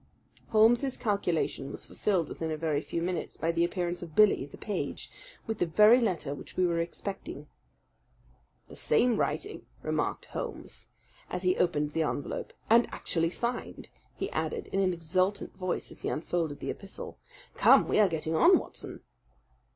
Holmes's calculation was fulfilled within a very few minutes by the appearance of Billy, the page, with the very letter which we were expecting. "The same writing," remarked Holmes, as he opened the envelope, "and actually signed," he added in an exultant voice as he unfolded the epistle. "Come, we are getting on, Watson."